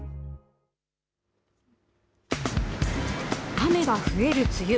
雨が増える梅雨。